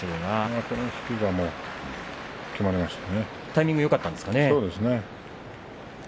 タイミングがよかったんですかね。